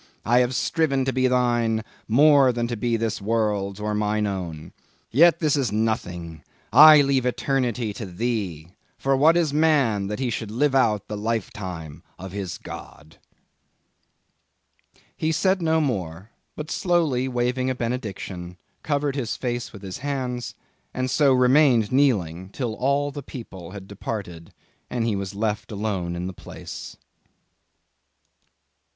I have striven to be Thine, more than to be this world's, or mine own. Yet this is nothing: I leave eternity to Thee; for what is man that he should live out the lifetime of his God?" He said no more, but slowly waving a benediction, covered his face with his hands, and so remained kneeling, till all the people had departed, and he was left alone in the place.